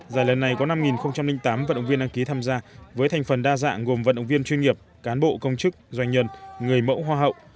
giải lần này có năm tám vận động viên đăng ký tham gia với thành phần đa dạng gồm vận động viên chuyên nghiệp cán bộ công chức doanh nhân người mẫu hoa hậu